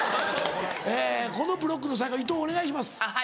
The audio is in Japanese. えぇこのブロックの最後いとうお願いします。